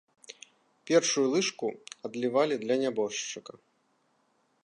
Першую лыжку адлівалі для нябожчыка.